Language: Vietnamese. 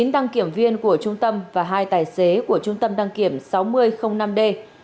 chín đăng kiểm viên của trung tâm và hai tài xế của trung tâm đăng kiểm sáu mươi năm d